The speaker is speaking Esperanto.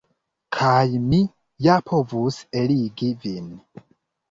Kaj mi ja povus eligi vin.